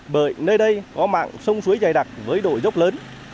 bởi nơi đây có mạng sông suối dày đặc với đội dốc lớn